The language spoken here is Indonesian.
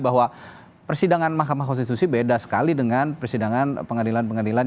bahwa persidangan mahkamah konstitusi beda sekali dengan persidangan pengadilan pengadilan